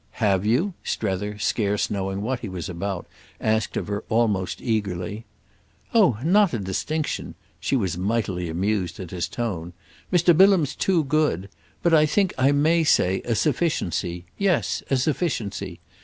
"Have you?" Strether, scarce knowing what he was about, asked of her almost eagerly. "Oh not a distinction"—she was mightily amused at his tone—"Mr. Bilham's too good. But I think I may say a sufficiency. Yes, a sufficiency.